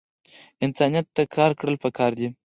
انسانیت ته کار کړل پکار دے